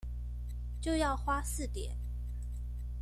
就要花四點